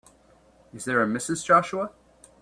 Is there a Mrs. Joshua?